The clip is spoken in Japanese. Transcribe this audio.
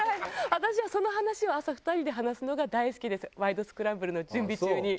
私はその話を朝２人で話すのが大好きです『ワイド！スクランブル』の準備中に。